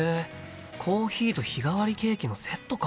コーヒーと日替わりケーキのセットか。